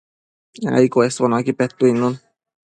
ai cuesbonocqui petuidnun